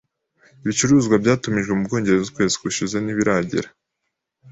Ibicuruzwa byatumijwe mu Bwongereza ukwezi gushize ntibiragera.